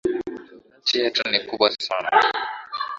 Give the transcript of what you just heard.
Nchi yetu ni kubwa sana